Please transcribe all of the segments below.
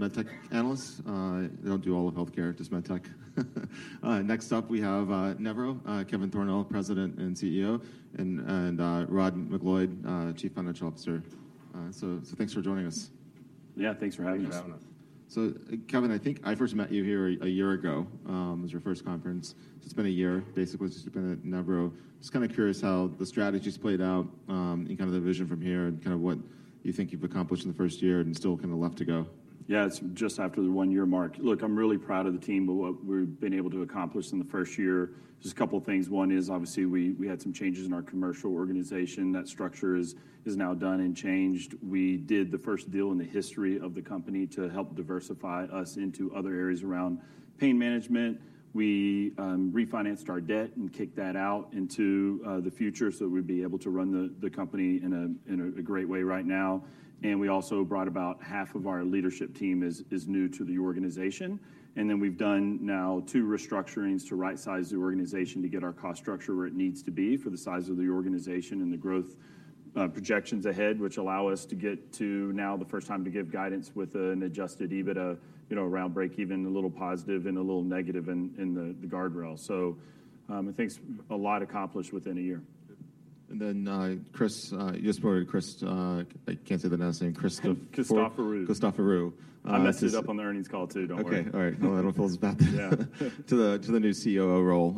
Med tech analysts. They don't do all of healthcare, just med tech. Next up, we have Nevro, Kevin Thornal, President and CEO, and Rod MacLeod, Chief Financial Officer. So thanks for joining us. Yeah, thanks for having us. Yeah. So, Kevin, I think I first met you here a year ago. It was your first conference, so it's been a year, basically, since you've been at Nevro. Just kind of curious how the strategy's played out, and kind of the vision from here, and kind of what you think you've accomplished in the first year and still kind of left to go. Yeah, it's just after the one-year mark. Look, I'm really proud of the team, with what we've been able to accomplish in the first year. Just a couple of things. One is, obviously, we had some changes in our commercial organization. That structure is now done and changed. We did the first deal in the history of the company to help diversify us into other areas around pain management. We refinanced our debt and kicked that out into the future, so that we'd be able to run the company in a great way right now. We also brought about half of our leadership team is new to the organization, and then we've done now two restructurings to rightsize the organization to get our cost structure where it needs to be for the size of the organization and the growth projections ahead, which allow us to get to now the first time to give guidance with an adjusted EBITDA, you know, around breakeven, a little positive and a little negative in the guardrail. So, I think it's a lot accomplished within a year. And then, Chris, you just promote Chris. I can't say the last name. Christopher Christopher. Chris Kluka. I messed it up on the earnings call, too. Don't worry. Okay. All right. Well, I don't feel as bad. Yeah. To the new COO role,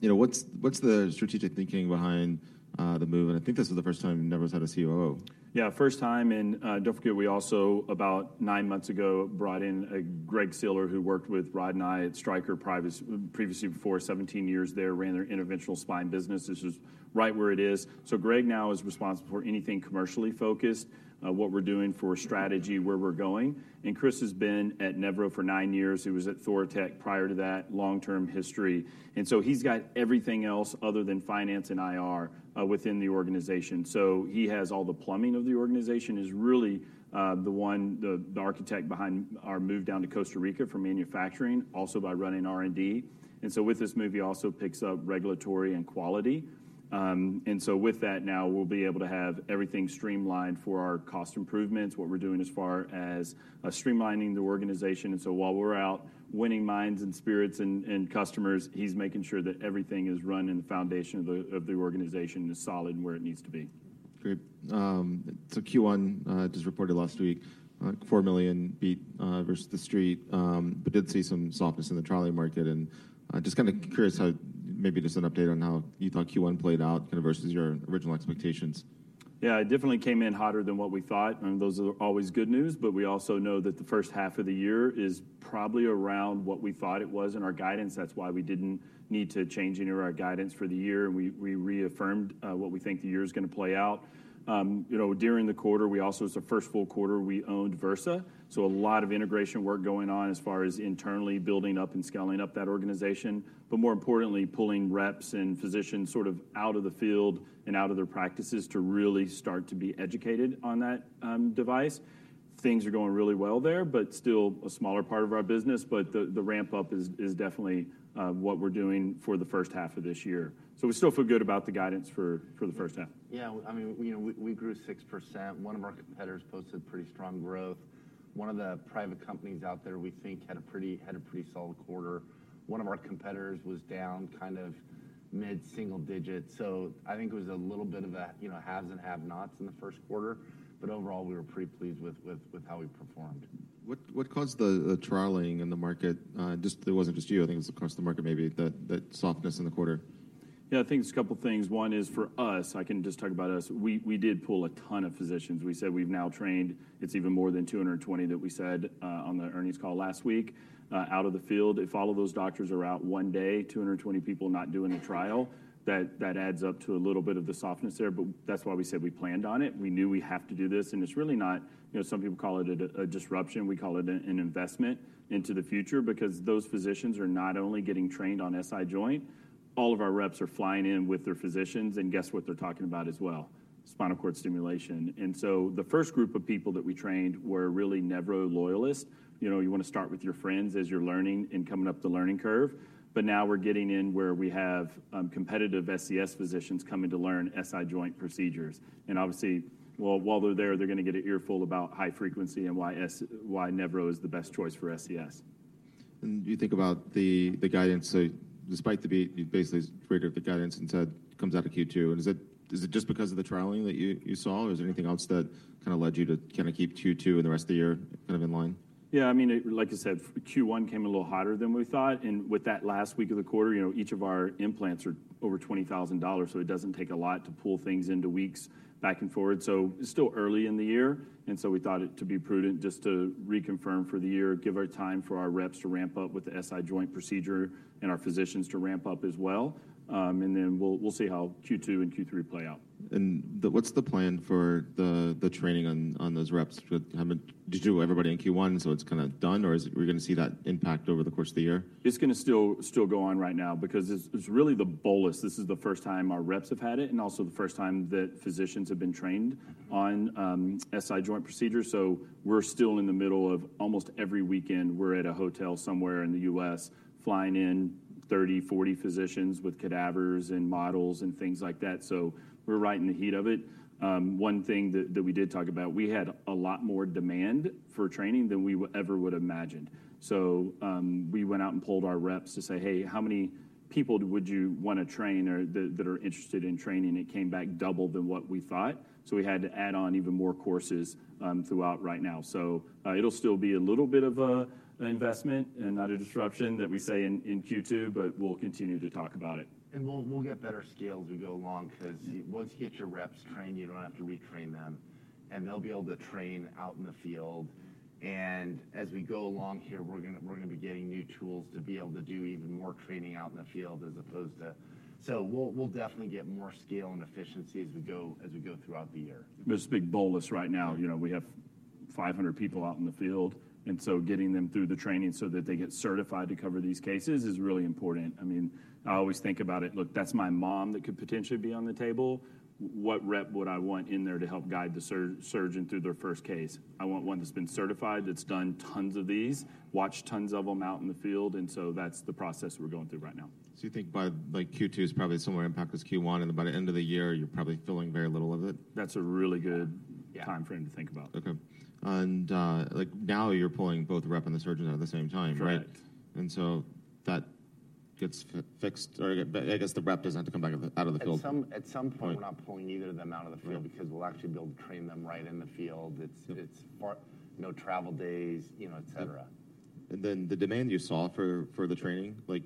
you know, what's the strategic thinking behind the move? And I think this is the first time Nevro's had a COO. Yeah, first time, and don't forget, we also, about nine months ago, brought in Greg Siller, who worked with Rod and I at Stryker previously, before 17 years there, ran their interventional spine business, which is right where it is. So Greg now is responsible for anything commercially focused, what we're doing for strategy, where we're going. And Chris has been at Nevro for nine years. He was at Thoratec prior to that long-term history, and so he's got everything else other than finance and IR within the organization. So he has all the plumbing of the organization. He's really the one, the architect behind our move down to Costa Rica for manufacturing, also by running R&D. And so with this move, he also picks up regulatory and quality. And so with that, now we'll be able to have everything streamlined for our cost improvements, what we're doing as far as streamlining the organization. And so while we're out winning minds and spirits and customers, he's making sure that everything is run and the foundation of the organization is solid and where it needs to be. Great. So Q1 just reported last week, $4 million beat versus the street, but did see some softness in the trial market. Just kind of curious how, maybe just an update on how you thought Q1 played out kind of versus your original expectations. Yeah, it definitely came in hotter than what we thought, and those are always good news. But we also know that the first half of the year is probably around what we thought it was in our guidance. That's why we didn't need to change any of our guidance for the year, and we reaffirmed what we think the year is going to play out. You know, during the quarter, we also—it's the first full quarter we owned Vyrsa, so a lot of integration work going on as far as internally building up and scaling up that organization, but more importantly, pulling reps and physicians sort of out of the field and out of their practices to really start to be educated on that device. Things are going really well there, but still a smaller part of our business, but the ramp-up is definitely what we're doing for the first half of this year. So we still feel good about the guidance for the first half. Yeah, I mean, you know, we grew 6%. One of our competitors posted pretty strong growth. One of the private companies out there, we think, had a pretty solid quarter. One of our competitors was down kind of mid-single digits. So I think it was a little bit of a, you know, haves and have-nots in the first quarter, but overall, we were pretty pleased with how we performed. What caused the trialing in the market? Just, it wasn't just you. I think it was across the market, maybe that softness in the quarter. Yeah, I think it's a couple of things. One is for us, I can just talk about us. We did pull a ton of physicians. We said we've now trained... It's even more than 220 that we said on the earnings call last week out of the field. If all of those doctors are out one day, 220 people not doing a trial, that adds up to a little bit of the softness there, but that's why we said we planned on it. We knew we have to do this, and it's really not. You know, some people call it a disruption. We call it an investment into the future because those physicians are not only getting trained on SI joint. All of our reps are flying in with their physicians, and guess what they're talking about as well? Spinal cord stimulation. And so the first group of people that we trained were really Nevro loyalists. You know, you want to start with your friends as you're learning and coming up the learning curve, but now we're getting in where we have competitive SCS physicians coming to learn SI joint procedures. And obviously, well, while they're there, they're going to get an earful about high frequency and why why Nevro is the best choice for SCS. You think about the guidance, so despite the beat, you basically reassert the guidance and said, comes out to Q2. Is it just because of the trialing that you saw, or is there anything else that kind of led you to kind of keep Q2 and the rest of the year kind of in line? Yeah, I mean, like I said, Q1 came in a little hotter than we thought, and with that last week of the quarter, you know, each of our implants are over $20,000, so it doesn't take a lot to pull things into weeks back and forward. So it's still early in the year, and so we thought it to be prudent just to reconfirm for the year, give our time for our reps to ramp up with the SI joint procedure and our physicians to ramp up as well. And then we'll see how Q2 and Q3 play out. What's the plan for the training on those reps? Did you do everybody in Q1, so it's kind of done, or is it? We're going to see that impact over the course of the year? It's gonna still go on right now because it's really the bolus. This is the first time our reps have had it and also the first time that physicians have been trained on SI joint procedures. So we're still in the middle of almost every weekend, we're at a hotel somewhere in the U.S., flying in 30, 40 physicians with cadavers and models and things like that. So we're right in the heat of it. One thing that we did talk about, we had a lot more demand for training than we ever would've imagined. So we went out and polled our reps to say, "Hey, how many people would you want to train or that are interested in training?" It came back double than what we thought. So we had to add on even more courses throughout right now. It'll still be a little bit of an investment and not a disruption that we say in Q2, but we'll continue to talk about it. We'll get better scale as we go along, 'cause once you get your reps trained, you don't have to retrain them, and they'll be able to train out in the field. As we go along here, we're gonna be getting new tools to be able to do even more training out in the field as opposed to. So we'll definitely get more scale and efficiency as we go throughout the year. There's a big bolus right now. You know, we have 500 people out in the field, and so getting them through the training so that they get certified to cover these cases is really important. I mean, I always think about it, look, that's my mom that could potentially be on the table. What rep would I want in there to help guide the surgeon through their first case? I want one that's been certified, that's done tons of these, watched tons of them out in the field, and so that's the process we're going through right now. So you think by, like, Q2 is probably similar impact as Q1, and by the end of the year, you're probably feeling very little of it? That's a really good timeframe to think about. Okay. And, like now you're pulling both the rep and the surgeon at the same time, right? Right. And so that gets fixed, or I guess the rep doesn't have to come back out of the field. At some point, we're not pulling either of them out of the field because we'll actually be able to train them right in the field. It's far, no travel days, you know, et cetera. Then the demand you saw for the training, like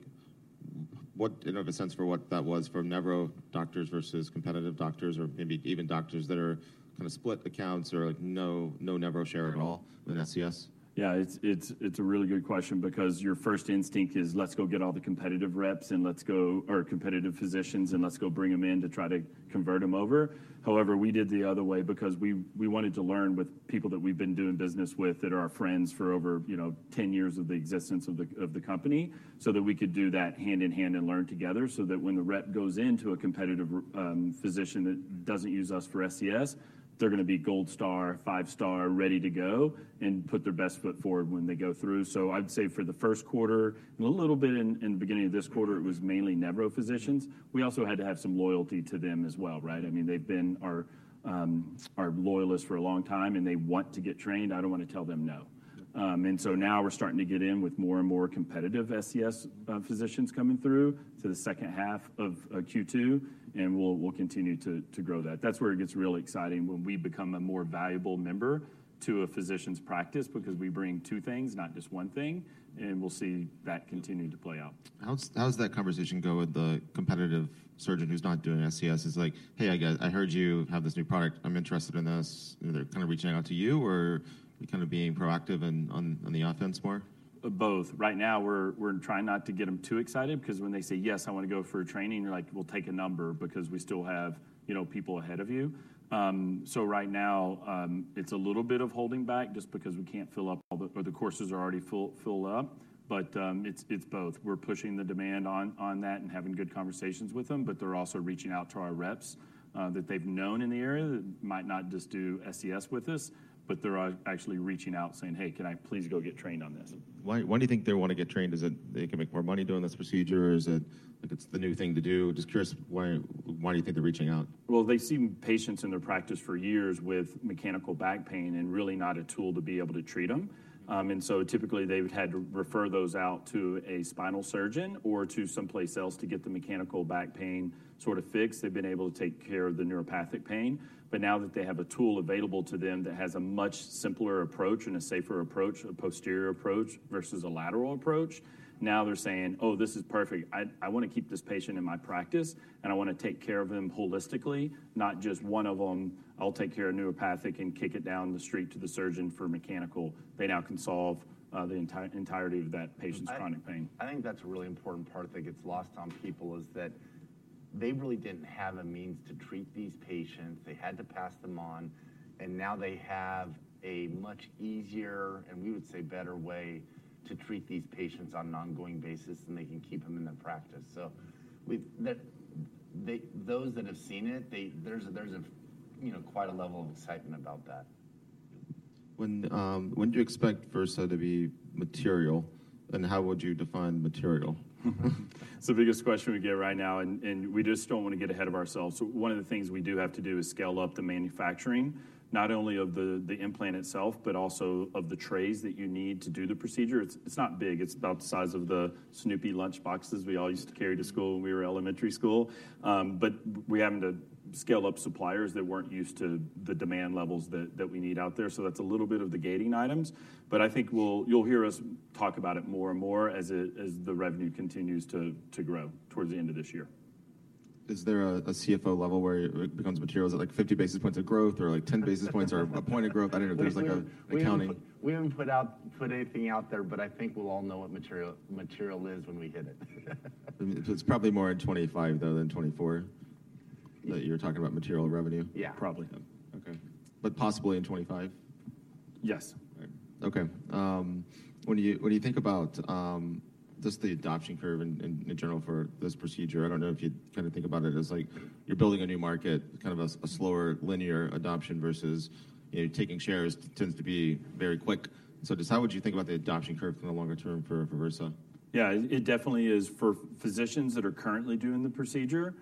what, in terms of a sense for what that was for Nevro doctors versus competitive doctors, or maybe even doctors that are kind of split accounts or like no, no Nevro share at all with SCS? Yeah, it's a really good question because your first instinct is, let's go get all the competitive reps and let's go—or competitive physicians, and let's go bring them in to try to convert them over. However, we did the other way because we wanted to learn with people that we've been doing business with, that are our friends for over, you know, 10 years of the existence of the company, so that we could do that hand in hand and learn together, so that when the rep goes into a competitive physician that doesn't use us for SCS, they're gonna be gold star, five-star, ready to go and put their best foot forward when they go through. So I'd say for the first quarter, and a little bit in the beginning of this quarter, it was mainly Nevro physicians. We also had to have some loyalty to them as well, right? I mean, they've been our loyalists for a long time, and they want to get trained. I don't want to tell them no. And so now we're starting to get in with more and more competitive SCS physicians coming through to the second half of Q2, and we'll continue to grow that. That's where it gets really exciting when we become a more valuable member to a physician's practice because we bring two things, not just one thing, and we'll see that continue to play out. How does that conversation go with the competitive surgeon who's not doing SCS? It's like: "Hey, I got, I heard you have this new product. I'm interested in this." Are they kind of reaching out to you or are you kind of being proactive and on the offense more? Both. Right now, we're trying not to get them too excited because when they say, "Yes, I want to go for a training," you're like, "Well, take a number because we still have, you know, people ahead of you." So right now, it's a little bit of holding back just because we can't fill up all the... The courses are already full, filled up, but it's both. We're pushing the demand on that and having good conversations with them, but they're also reaching out to our reps that they've known in the area that might not just do SCS with us, but they're actually reaching out saying, "Hey, can I please go get trained on this? Why, why do you think they want to get trained? Is it they can make more money doing this procedure, or is it like it's the new thing to do? Just curious, why, why do you think they're reaching out? Well, they've seen patients in their practice for years with mechanical back pain and really not a tool to be able to treat them. And so typically, they've had to refer those out to a spinal surgeon or to someplace else to get the mechanical back pain sort of fixed. They've been able to take care of the neuropathic pain, but now that they have a tool available to them that has a much simpler approach and a safer approach, a posterior approach versus a lateral approach, now they're saying: "Oh, this is perfect. I, I want to keep this patient in my practice, and I want to take care of him holistically, not just one of them. I'll take care of neuropathic and kick it down the street to the surgeon for mechanical." They now can solve the entirety of that patient's chronic pain. I think that's a really important part that gets lost on people, is that they really didn't have a means to treat these patients. They had to pass them on, and now they have a much easier, and we would say, better way to treat these patients on an ongoing basis, and they can keep them in their practice. So, those that have seen it, there's a, you know, quite a level of excitement about that. When do you expect Vyrsa to be material, and how would you define material? It's the biggest question we get right now, and we just don't want to get ahead of ourselves. One of the things we do have to do is scale up the manufacturing, not only of the implant itself, but also of the trays that you need to do the procedure. It's not big. It's about the size of the Snoopy lunchboxes we all used to carry to school when we were in elementary school. But we're having to scale up suppliers that weren't used to the demand levels that we need out there. So that's a little bit of the gating items, but I think you'll hear us talk about it more and more as the revenue continues to grow towards the end of this year. Is there a CFO level where it becomes material, is it like 50 basis points of growth or like 10 basis points or a point of growth? I don't know, there's like a accounting- We haven't put anything out there, but I think we'll all know what material is when we hit it. I mean, so it's probably more in 2025, though, than 2024, that you're talking about material revenue? Yeah. Probably. Okay. But possibly in 2025? Yes. Right. Okay, when you—when you think about, just the adoption curve in, in general for this procedure, I don't know if you kind of think about it as like you're building a new market, kind of a, a slower linear adoption versus, you know, taking shares tends to be very quick. So just how would you think about the adoption curve from the longer term for, for Vyrsa? Yeah, it, it definitely is. For physicians that are currently doing the procedure,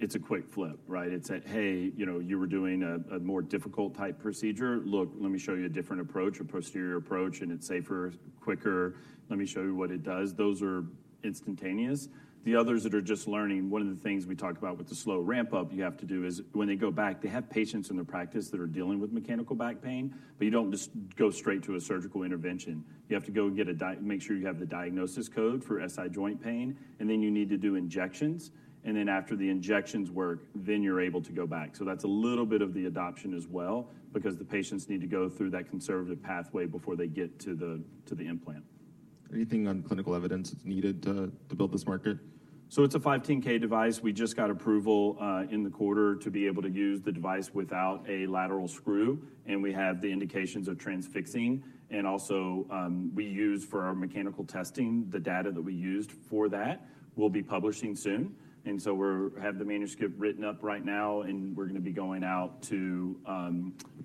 it's a quick flip, right? It's like: "Hey, you know, you were doing a more difficult type procedure. Look, let me show you a different approach, a posterior approach, and it's safer, quicker. Let me show you what it does." Those are instantaneous. The others that are just learning, one of the things we talk about with the slow ramp-up you have to do is when they go back, they have patients in their practice that are dealing with mechanical back pain, but you don't just go straight to a surgical intervention. You have to go and get a di-- make sure you have the diagnosis code for SI joint pain, and then you need to do injections, and then after the injections work, then you're able to go back. So that's a little bit of the adoption as well, because the patients need to go through that conservative pathway before they get to the, to the implant. Anything on clinical evidence that's needed to build this market? So it's a 510(k) device. We just got approval in the quarter to be able to use the device without a lateral screw, and we have the indications of transfixing. And also, we use for our mechanical testing the data that we used for that. We'll be publishing soon. And so we have the manuscript written up right now, and we're gonna be going out to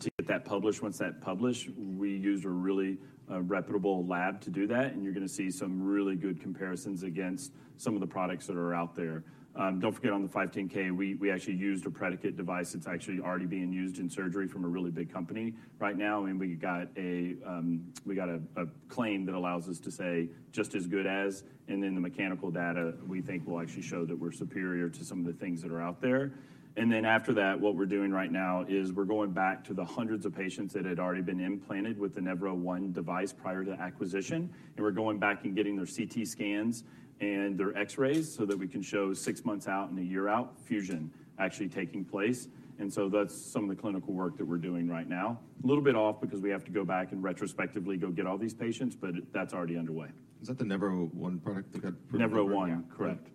get that published. Once that's published, we used a really reputable lab to do that, and you're gonna see some really good comparisons against some of the products that are out there. Don't forget, on the 510(k), we actually used a predicate device that's actually already being used in surgery from a really big company right now, and we got a claim that allows us to say, "Just as good as," and then the mechanical data, we think will actually show that we're superior to some of the things that are out there. And then after that, what we're doing right now is we're going back to the hundreds of patients that had already been implanted with the Nevro1 device prior to acquisition, and we're going back and getting their CT scans and their X-rays so that we can show six months out and a year out fusion actually taking place. And so that's some of the clinical work that we're doing right now. A little bit off because we have to go back and retrospectively go get all these patients, but that's already underway. Is that the Nevro1 product that got approved? Nevro1, correct.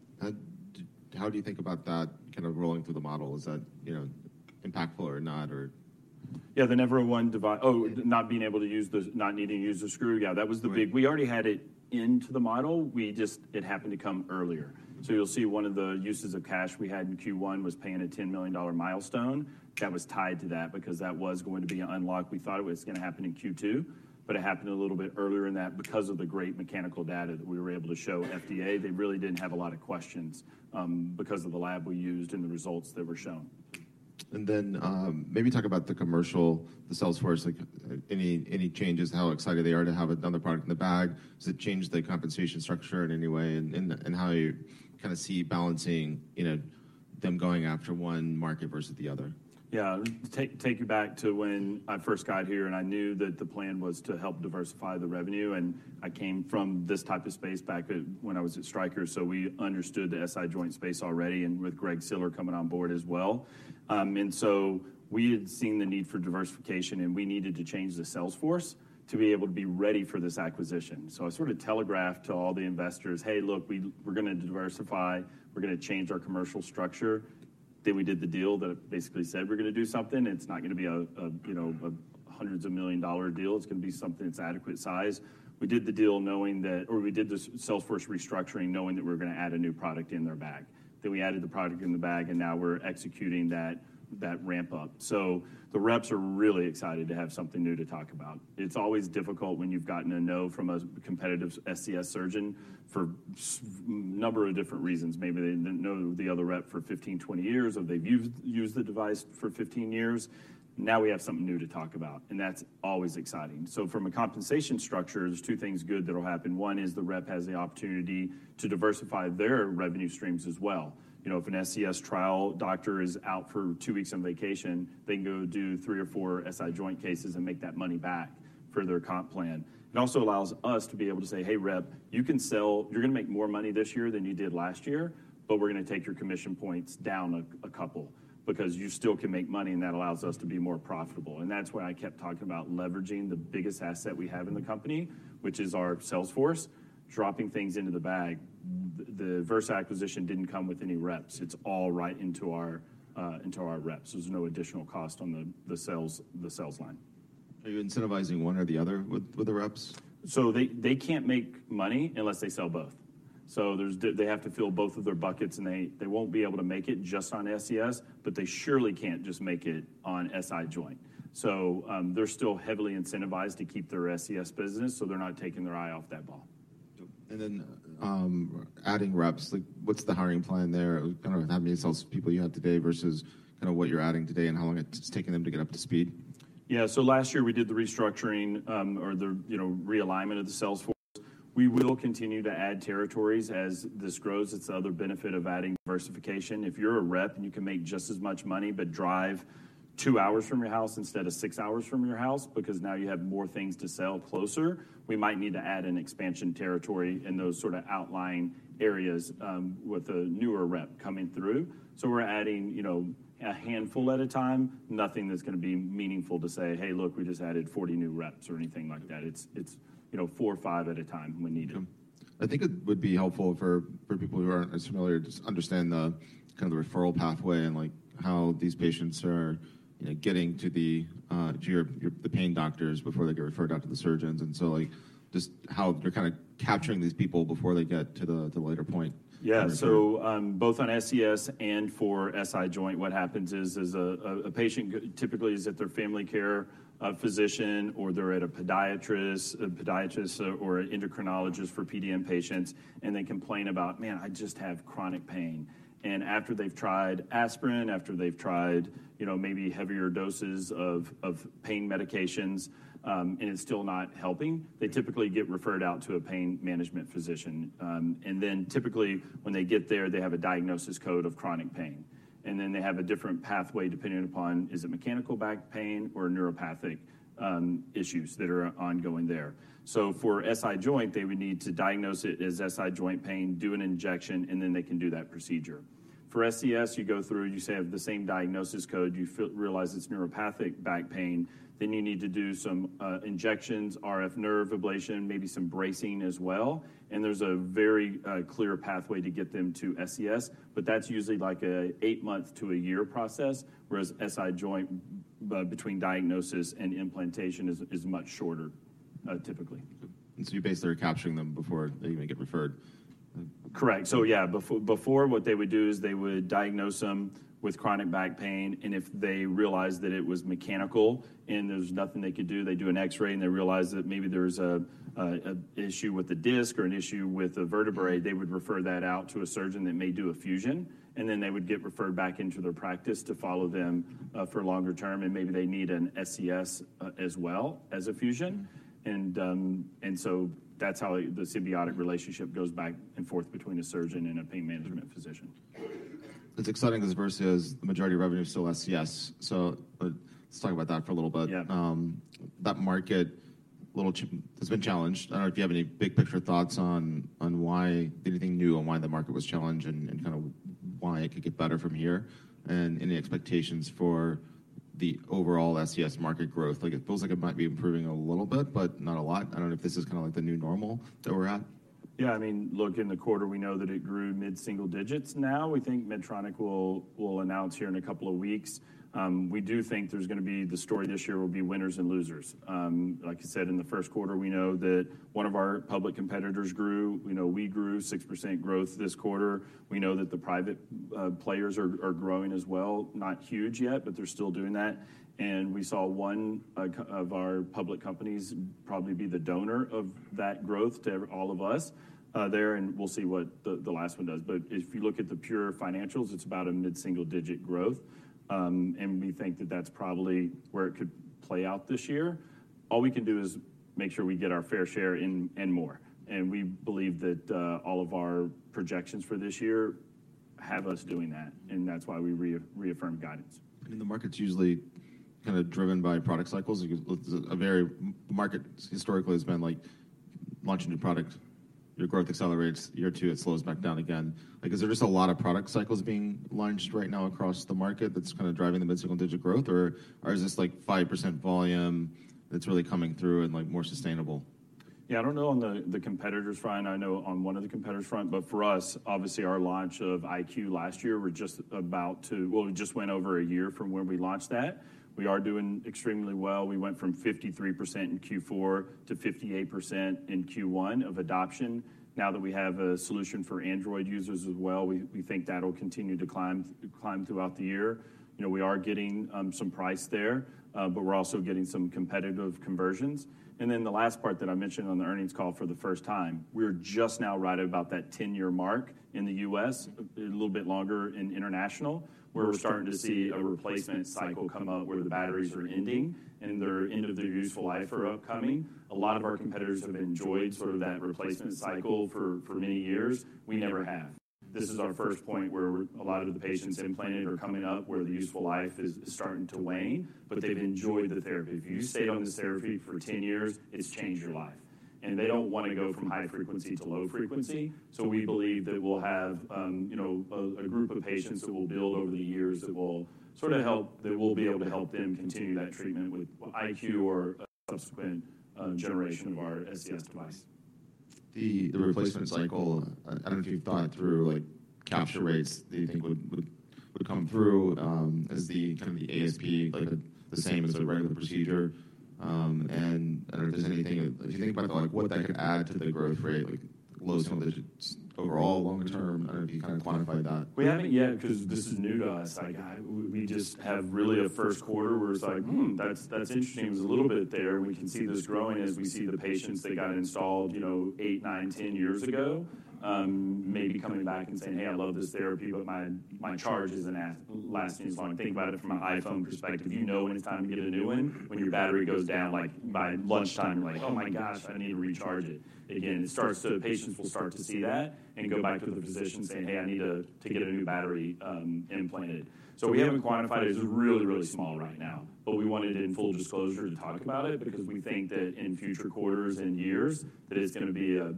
How do you think about that kind of rolling through the model? Is that, you know, impactful or not, or? Yeah, the Nevro1 device— Oh, not being able to use the, not needing to use the screw? Yeah, that was the big. Right. We already had it into the model. We just it happened to come earlier. So you'll see one of the uses of cash we had in Q1 was paying a $10 million milestone that was tied to that, because that was going to be unlocked. We thought it was gonna happen in Q2, but it happened a little bit earlier than that because of the great mechanical data that we were able to show FDA. They really didn't have a lot of questions, because of the lab we used and the results that were shown. And then, maybe talk about the commercial, the sales force. Like, any changes, how excited they are to have another product in the bag? Does it change the compensation structure in any way, and how you kinda see balancing, you know, them going after one market versus the other? Yeah. Take you back to when I first got here, and I knew that the plan was to help diversify the revenue, and I came from this type of space back at, when I was at Stryker, so we understood the SI joint space already, and with Greg Siller coming on board as well. And so we had seen the need for diversification, and we needed to change the sales force to be able to be ready for this acquisition. So I sort of telegraphed to all the investors, "Hey, look, we're gonna diversify. We're gonna change our commercial structure." Then we did the deal that basically said, we're gonna do something, and it's not gonna be a, you know, a hundreds of million dollar deal. It's gonna be something that's adequate size. We did the deal knowing that—or we did the sales force restructuring, knowing that we're gonna add a new product in their bag. Then we added the product in the bag, and now we're executing that ramp up. So the reps are really excited to have something new to talk about. It's always difficult when you've gotten a no from a competitive SCS surgeon for some number of different reasons. Maybe they've known the other rep for 15, 20 years, or they've used the device for 15 years. Now we have something new to talk about, and that's always exciting. So from a compensation structure, there's two things good that will happen. One is the rep has the opportunity to diversify their revenue streams as well. You know, if an SCS trial doctor is out for two weeks on vacation, they can go do three or four SI joint cases and make that money back for their comp plan. It also allows us to be able to say, "Hey, rep, you can sell. You're gonna make more money this year than you did last year, but we're gonna take your commission points down a couple because you still can make money, and that allows us to be more profitable." And that's why I kept talking about leveraging the biggest asset we have in the company, which is our sales force, dropping things into the bag. The Vyrsa acquisition didn't come with any reps. It's all right into our, into our reps. There's no additional cost on the sales line. Are you incentivizing one or the other with the reps? So they, they can't make money unless they sell both. So there's, they have to fill both of their buckets, and they, they won't be able to make it just on SCS, but they surely can't just make it on SI joint. So, they're still heavily incentivized to keep their SCS business, so they're not taking their eye off that ball. And then, adding reps, like, what's the hiring plan there? Kind of how many sales people you have today versus kind of what you're adding today and how long it's taking them to get up to speed. Yeah. So last year we did the restructuring, or the, you know, realignment of the sales force. We will continue to add territories as this grows. It's the other benefit of adding diversification. If you're a rep and you can make just as much money, but drive two hours from your house instead of six hours from your house, because now you have more things to sell closer, we might need to add an expansion territory in those sort of outlying areas, with a newer rep coming through. So we're adding, you know, a handful at a time. Nothing that's gonna be meaningful to say, "Hey, look, we just added 40 new reps," or anything like that. It's, it's, you know, four or five at a time when needed. I think it would be helpful for people who aren't as familiar to just understand the kind of referral pathway and, like, how these patients are, you know, getting to the pain doctors before they get referred out to the surgeons, and so, like, just how they're kind of capturing these people before they get to the later point. Yeah. So, both on SCS and for SI joint, what happens is a patient typically is at their family care, a physician, or they're at a podiatrist or an endocrinologist for PDN patients, and they complain about, "Man, I just have chronic pain." And after they've tried aspirin, after they've tried, you know, maybe heavier doses of pain medications, and it's still not helping, they typically get referred out to a pain management physician. And then typically, when they get there, they have a diagnosis code of chronic pain. And then they have a different pathway, depending upon, is it mechanical back pain or neuropathic issues that are ongoing there? So for SI joint, they would need to diagnose it as SI joint pain, do an injection, and then they can do that procedure. For SCS, you go through, you say, have the same diagnosis code, you feel, realize it's neuropathic back pain, then you need to do some, injections, RF nerve ablation, maybe some bracing as well, and there's a very, clear pathway to get them to SCS. But that's usually like a eight-month to a one-year process, whereas SI joint, between diagnosis and implantation is much shorter, typically. You basically are capturing them before they even get referred? Correct. So yeah, before, what they would do is they would diagnose them with chronic back pain, and if they realized that it was mechanical and there's nothing they could do, they do an X-ray, and they realize that maybe there's an issue with the disc or an issue with the vertebrae, they would refer that out to a surgeon that may do a fusion, and then they would get referred back into their practice to follow them for longer term, and maybe they need an SCS as well as a fusion. And so that's how the symbiotic relationship goes back and forth between a surgeon and a pain management physician. It's exciting, this versus the majority of revenue is still SCS. So, let's talk about that for a little bit. Yeah. That market has been challenged. I don't know if you have any big-picture thoughts on anything new on why the market was challenged and kinda why it could get better from here, and any expectations for the overall SCS market growth? Like, it feels like it might be improving a little bit, but not a lot. I don't know if this is kinda like the new normal that we're at. Yeah, I mean, look, in the quarter, we know that it grew mid-single digits. Now, we think Medtronic will announce here in a couple of weeks. We do think there's gonna be the story this year will be winners and losers. Like you said, in the first quarter, we know that one of our public competitors grew. We know we grew 6% growth this quarter. We know that the private players are growing as well. Not huge yet, but they're still doing that. And we saw one of our public companies probably be the donor of that growth to all of us there, and we'll see what the last one does. But if you look at the pure financials, it's about a mid-single-digit growth, and we think that that's probably where it could play out this year. All we can do is make sure we get our fair share and, and more, and we believe that all of our projections for this year have us doing that, and that's why we reaffirm guidance. The market's usually kinda driven by product cycles. Market historically has been, like, launch a new product, your growth accelerates. Year two, it slows back down again. Like, is there just a lot of product cycles being launched right now across the market that's kinda driving the mid-single-digit growth, or is this, like, 5% volume that's really coming through and, like, more sustainable? Yeah, I don't know on the competitors front, I know on one of the competitors front, but for us, obviously, our launch of 1Q last year, we're just about to... Well, it just went over a year from when we launched that. We are doing extremely well. We went from 53% in Q4 to 58% in Q1 of adoption. Now that we have a solution for Android users as well, we think that'll continue to climb throughout the year. You know, we are getting some price there, but we're also getting some competitive conversions. And then the last part that I mentioned on the earnings call for the first time, we are just now right about that 10-year mark in the U.S., a little bit longer in international where we're starting to see a replacement cycle come up where the batteries are ending, and they're end of their useful life are upcoming. A lot of our competitors have enjoyed sort of that replacement cycle for many years. We never have. This is our first point where a lot of the patients implanted are coming up, where the useful life is starting to wane, but they've enjoyed the therapy. If you stayed on this therapy for 10 years, it's changed your life, and they don't want to go from high frequency to low frequency. So we believe that we'll have, you know, a group of patients that will build over the years that we'll be able to help them continue that treatment with 1Q or a subsequent generation of our SCS device. The replacement cycle, I don't know if you've thought through, like, capture rates that you think would come through, as the kinda the ASP, like, the same as a regular procedure. And I don't know if there's anything... If you think about, like, what that could add to the growth rate, like, low single digits overall, longer term, I don't know if you can quantify that. We haven't yet, because this is new to us. Like, we just have really a first quarter where it's like, "Hmm, that's, that's interesting." There's a little bit there, and we can see this growing as we see the patients that got installed, you know, eight, nine, 10 years ago, maybe coming back and saying, "Hey, I love this therapy, but my, my charge isn't as lasting as long." Think about it from an iPhone perspective. You know when it's time to get a new one, when your battery goes down, like, by lunchtime, you're like: "Oh, my gosh, I need to recharge it again." It starts to patients will start to see that and go back to the physician saying, "Hey, I need to get a new battery implanted." So we haven't quantified it. It's really, really small right now, but we wanted in full disclosure to talk about it because we think that in future quarters and years, that it's gonna be a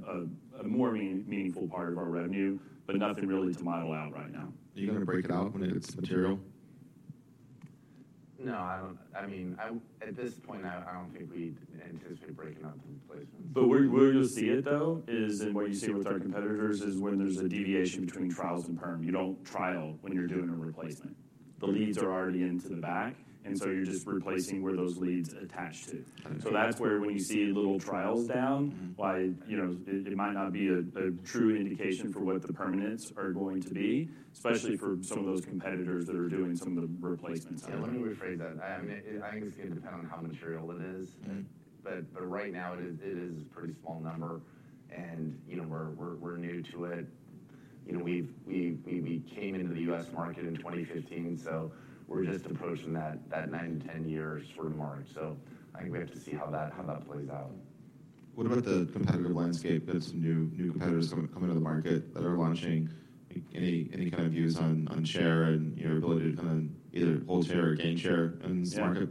more meaningful part of our revenue, but nothing really to model out right now. Are you gonna break it out when it's material? No, I don't—I mean, at this point, I don't think we'd anticipate breaking out the replacements. But where you'll see it, though, is in what you see with our competitors, is when there's a deviation between trials and perm. You don't trial when you're doing a replacement. The leads are already into the back, and so you're just replacing where those leads attach to. Okay. So that's where when you see little trials down. Why, you know, it might not be a true indication for what the permanents are going to be, especially for some of those competitors that are doing some of the replacements. Yeah, let me rephrase that. I, I mean, I think it's gonna depend on how material it is. But right now, it is a pretty small number, and, you know, we're new to it. You know, we've—we came into the U.S. market in 2015, so we're just approaching that nine to 10-year sort of mark. So I think we have to see how that plays out. What about the competitive landscape that some new competitors coming to the market that are launching? Any kind of views on share and your ability to kind of either hold share or gain share in this market?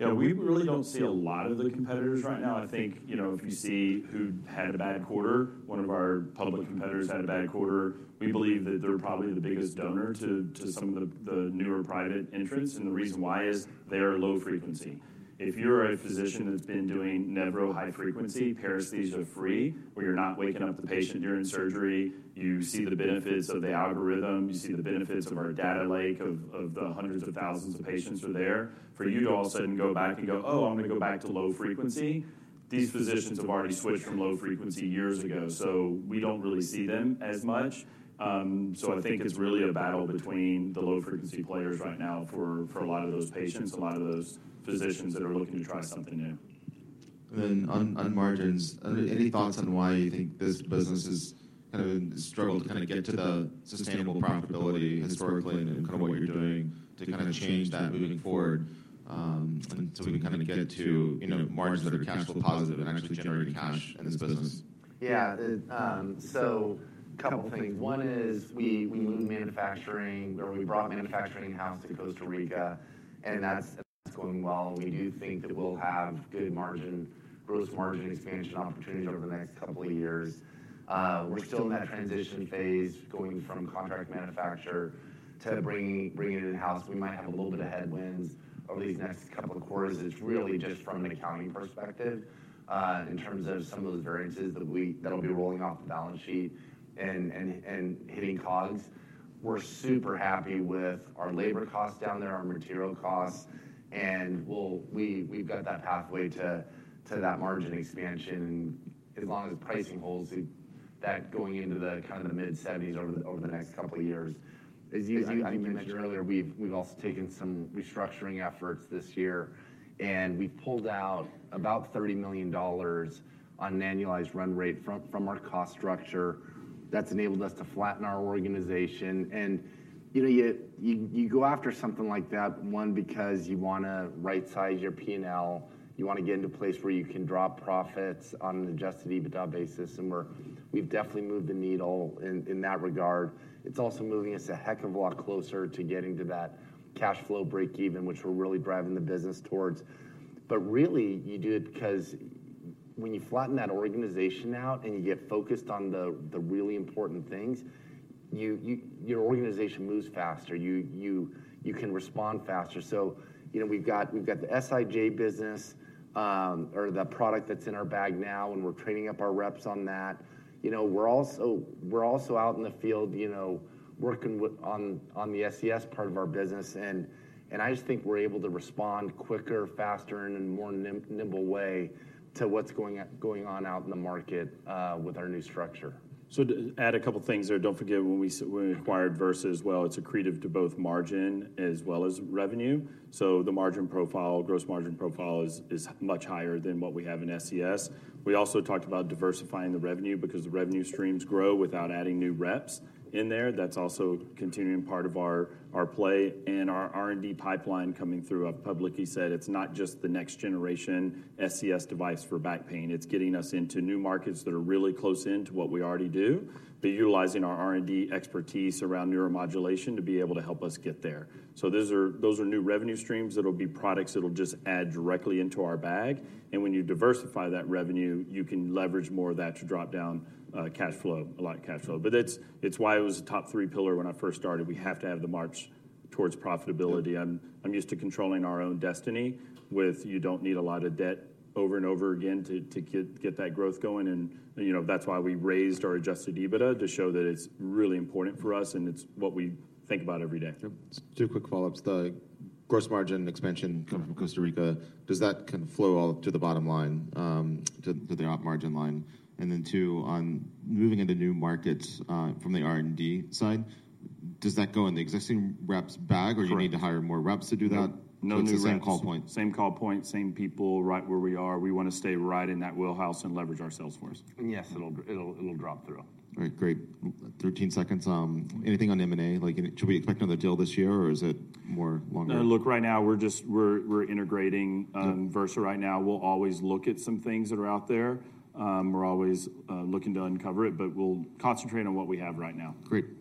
Yeah, we really don't see a lot of the competitors right now. I think, you know, if you see who had a bad quarter, one of our public competitors had a bad quarter. We believe that they're probably the biggest donor to, to some of the, the newer private entrants, and the reason why is they are low frequency. If you're a physician that's been doing Nevro high frequency, paresthesia free, where you're not waking up the patient during surgery, you see the benefits of the algorithm, you see the benefits of our data lake, of, of the hundreds of thousands of patients are there. For you to all of a sudden go back and go, "Oh, I'm going to go back to low frequency," these physicians have already switched from low frequency years ago, so we don't really see them as much. So, I think it's really a battle between the low-frequency players right now for, for a lot of those patients, a lot of those physicians that are looking to try something new. Then on margins, are there any thoughts on why you think this business has kind of struggled to kind of get to the sustainable profitability historically and kind of what you're doing to kind of change that moving forward, so we can kind of get it to, you know, margins that are cash flow positive and actually generating cash in this business? Yeah. It, so a couple of things. One is we, we moved manufacturing or we brought manufacturing in-house to Costa Rica, and that's, that's going well. We do think that we'll have good margin, gross margin expansion opportunities over the next couple of years. We're still in that transition phase, going from contract manufacturer to bringing, bringing it in-house. We might have a little bit of headwinds over these next couple of quarters. It's really just from an accounting perspective, in terms of some of those variances that'll be rolling off the balance sheet and hitting COGS. We're super happy with our labor costs down there, our material costs, and we'll, we've got that pathway to that margin expansion. As long as pricing holds, that going into the kind of the mid-seventies over the next couple of years. As you mentioned earlier, we've also taken some restructuring efforts this year, and we pulled out about $30 million on an annualized run rate from our cost structure. That's enabled us to flatten our organization and, you know, you go after something like that, one, because you want to right-size your P&L. You want to get into a place where you can draw profits on an adjusted EBITDA basis, and we've definitely moved the needle in that regard. It's also moving us a heck of a lot closer to getting to that cash flow break even, which we're really driving the business towards. But really, you do it because when you flatten that organization out and you get focused on the really important things, your organization moves faster. You can respond faster. So, you know, we've got the SIJ business or the product that's in our bag now, and we're training up our reps on that. You know, we're also out in the field, you know, working on the SCS part of our business, and I just think we're able to respond quicker, faster, and in a more nimble way to what's going on out in the market with our new structure. So to add a couple of things there, don't forget, when we acquired Vyrsa as well, it's accretive to both margin as well as revenue. So the margin profile, gross margin profile is much higher than what we have in SCS. We also talked about diversifying the revenue because the revenue streams grow without adding new reps in there. That's also continuing part of our play and our R&D pipeline coming through. I've publicly said it's not just the next generation SCS device for back pain, it's getting us into new markets that are really close in to what we already do, but utilizing our R&D expertise around neuromodulation to be able to help us get there. So those are new revenue streams that'll be products that'll just add directly into our bag. When you diversify that revenue, you can leverage more of that to drop down cash flow, a lot of cash flow. It's why it was a top three pillar when I first started. We have to have the march towards profitability. I'm used to controlling our own destiny with, you don't need a lot of debt over and over again to get that growth going and you know, that's why we raised our Adjusted EBITDA, to show that it's really important for us, and it's what we think about every day. Yep. Two quick follow-ups. The gross margin expansion coming from Costa Rica, does that kind of flow all the way to the bottom line, to the op margin line? And then two, on moving into new markets, from the R&D side, does that go in the existing rep's bag- Correct. or do you need to hire more reps to do that? No new reps. What's the ramp call point? Same call point, same people, right where we are. We want to stay right in that wheelhouse and leverage our sales force. Yes, it'll drop through. All right, great. 13 seconds, anything on M&A? Like, should we expect another deal this year, or is it more longer? No, look, right now, we're just integrating Vyrsa right now. We'll always look at some things that are out there. We're always looking to uncover it, but we'll concentrate on what we have right now. Great.